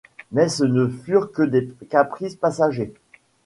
Mais ce ne furent que des caprices passagers.